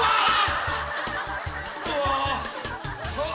うわ！